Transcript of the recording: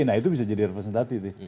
nah itu bisa jadi representatif ya